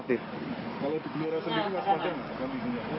kalau di blora sendiri gas pada nggak